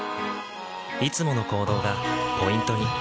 いつもの行動がポイントに。